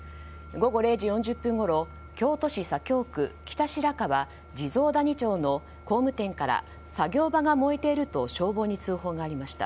午後０時４０分ごろ京都市左京区北白川地蔵谷町の工務店から作業場が燃えていると消防に通報がありました。